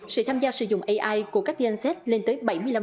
sự tham gia sử dụng ai của các diện xét lên tới bảy mươi năm